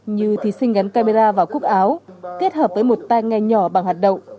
như thí sinh gắn camera vào cúp áo kết hợp với một tay ngay nhỏ bằng hạt động